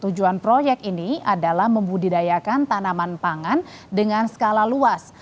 tujuan proyek ini adalah membudidayakan tanaman pangan dengan skala luas